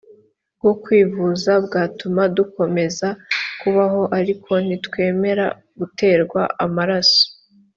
bwo kwivuza bwatuma dukomeza kubaho ariko ntitwemera guterwa amaraso